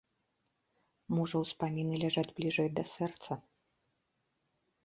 Можа, успаміны ляжаць бліжэй да сэрца.